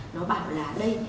nó bảo là đây